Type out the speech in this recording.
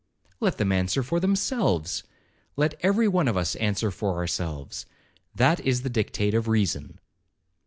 'Let them answer for themselves—let every one of us answer for ourselves—that is the dictate of reason.'